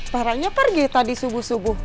ternyata pergi tadi for gini